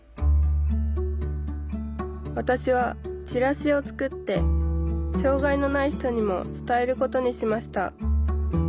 わたしはチラシを作って障害のない人にも伝えることにしました。